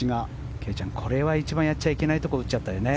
圭ちゃん、これは一番やっちゃいけないところ打っちゃったよね。